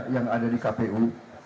yang ada di kpu